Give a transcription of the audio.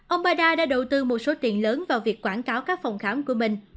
ông biden đã đầu tư một số tiền lớn vào việc quảng cáo các phòng khám của mình